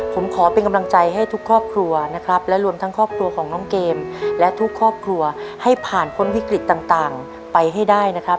ผมขอเป็นกำลังใจให้ทุกครอบครัวนะครับและรวมทั้งครอบครัวของน้องเกมและทุกครอบครัวให้ผ่านพ้นวิกฤตต่างไปให้ได้นะครับ